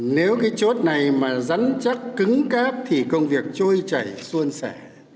nếu cái chốt này mà rắn chắc cứng cáp thì công việc trôi chảy xuôn xẻ